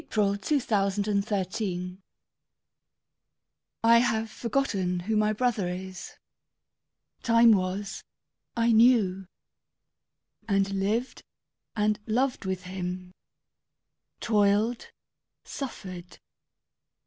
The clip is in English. AT EASE ON LETHE WHARF.*^ I have forgotten who my brother is. Time was I knew, and lived and loved with him; Toiled, suffered.